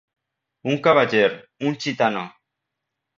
Un cavaller Un gitano